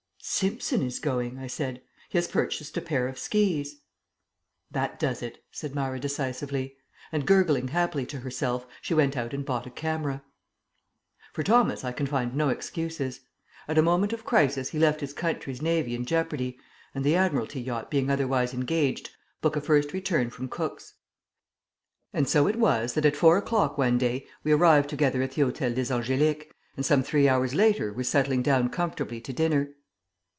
"Simpson is going." I said. "He has purchased a pair of skis." "That does it," said Myra decisively. And, gurgling happily to herself, she went out and bought a camera. For Thomas I can find no excuses. At a moment of crisis he left his country's Navy in jeopardy and, the Admiralty yacht being otherwise engaged, booked a first return from Cook's. And so it was that at four o'clock one day we arrived together at the Hôtel des Angéliques, and some three hours later were settling down comfortably to dinner.